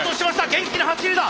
元気な走りだ！